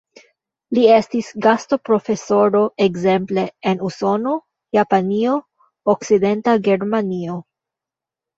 Li estis gastoprofesoro ekzemple en Usono, Japanio, Okcidenta Germanio.